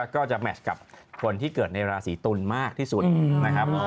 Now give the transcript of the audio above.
ก็จะแมชกับคนที่เกิดในราศีตุลมากที่สุดนะครับ